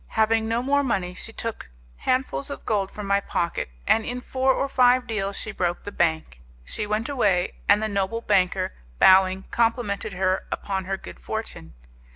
Having no more money, she took handfuls of gold from my pocket, and in four or five deals she broke the bank. She went away, and the noble banker, bowing, complimented her upon her good fortune.